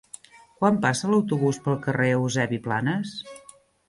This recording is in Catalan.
Quan passa l'autobús pel carrer Eusebi Planas?